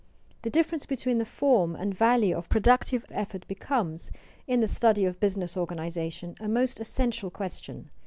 The difference between the form and value of productive effort becomes, in the study of business organization, a most essential question.